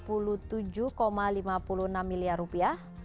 pembelian kementerian agama dihukum rp dua puluh enam miliar